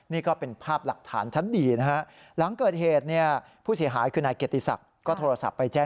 นี่ก็เป็นภาพหลักฐานชัดดีนะฮะ